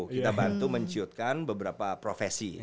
kita bantu menciutkan beberapa profesi